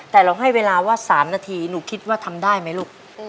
แต่เราให้เวลาว่า๓นาทีหนูคิดว่าทำได้ไหมลูก